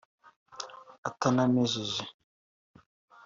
atanamejeje